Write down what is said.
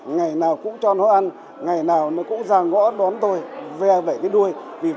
ngày nào cũng cho nó ăn ngày nào nó cũng ra ngõ đón tôi